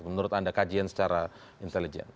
menurut anda kajian secara intelijen